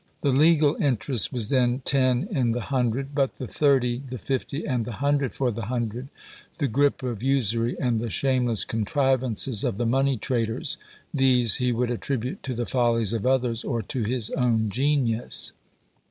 The legal interest was then "ten in the hundred;" but the thirty, the fifty, and the hundred for the hundred, the gripe of Usury, and the shameless contrivances of the money traders, these he would attribute to the follies of others, or to his own genius.